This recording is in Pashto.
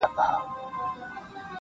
چي مي سترګي د یار و وینم پیالو کي ,